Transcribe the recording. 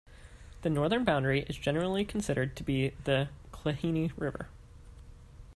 The northern boundary is generally considered to be the Klehini River.